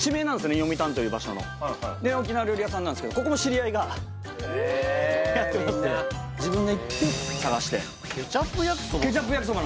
読谷という場所ので沖縄料理屋さんなんですけどここも知り合いがやってまして自分が行って探してケチャップ焼きそば？